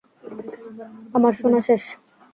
আমার শোনা শেষ!